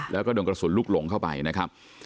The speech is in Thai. แล้วก็โดนกระสุนลูกหลงเข้าไปนะครับ